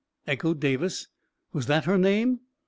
echoed Davis. "Was that her name